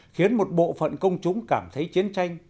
khiến một bộ phận công chúng cảm thấy chiến tranh